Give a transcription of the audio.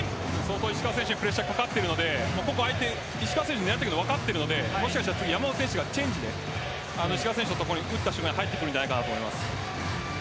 石川選手にプレッシャーがかかっているので狙われるのが分かっているのでもしかしたら山本選手がチェンジで石川選手が打ったところに入ってくるんじゃないかなと思います。